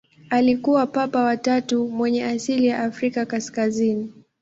Alikuwa Papa wa tatu mwenye asili ya Afrika kaskazini.